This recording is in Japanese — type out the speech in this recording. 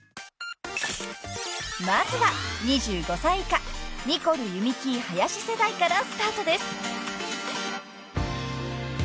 ［まずは２５歳以下ニコル弓木林世代からスタートです］